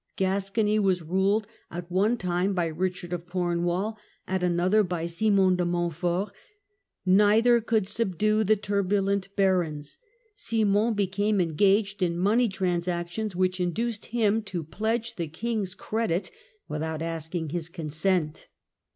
Gascony was ruled at one time by Richard of Cornwall, at another by Simon de Montfort Neither could subdue the turbulent barons. Simon be came engaged in money transactions which induced him to pledge the king's credit without asking his consent.